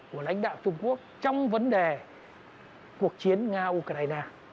của lãnh đạo trung quốc trong vấn đề cuộc chiến nga ukraine